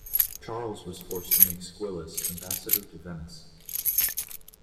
Charles was forced to make Squillace ambassador to Venice.